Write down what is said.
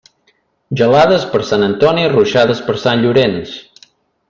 Gelades per Sant Antoni, ruixades per Sant Llorenç.